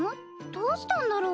どうしたんだろう？